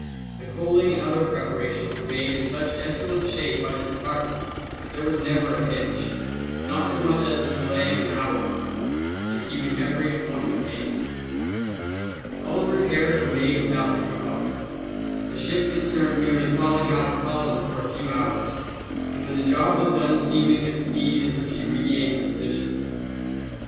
The coaling and other preparations were made in such excellent shape by the Department that there was never a hitch, not so much as the delay of an hour, in keeping every appointment made. All the repairs were made without difficulty, the ship concerned merely falling out of column for a few hours, and when the job was done steaming at speed until she regained her position.